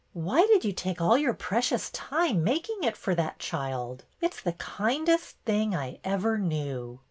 " Why did you take all your precious time making it for that child.? It's the kindest thing I ever knew."